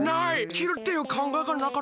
きるっていうかんがえがなかったな。